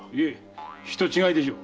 人違いでしょう。